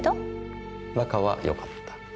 仲は良かった。